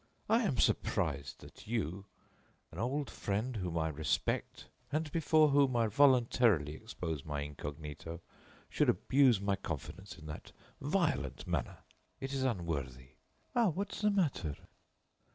I am surprised that you, an old friend whom I respect and before whom I voluntarily expose my incognito, should abuse my confidence in that violent manner. It is unworthy Ah! What's the matter?"